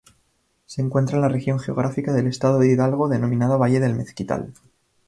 Se encuentra en la región geográfica del estado de Hidalgo denominada Valle del Mezquital.